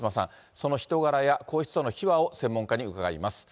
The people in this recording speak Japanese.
その人柄や皇室との秘話を専門家に伺います。